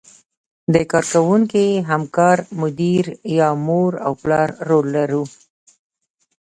د کار کوونکي، همکار، مدیر یا مور او پلار رول لرو.